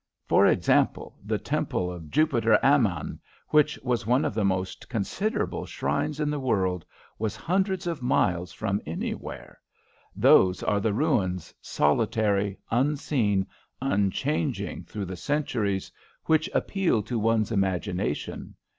For example, the temple of Jupiter Ammon, which was one of the most considerable shrines in the world, was hundreds of miles from anywhere. Those are the ruins, solitary, unseen, unchanging through the centuries, which appeal to one's imagination.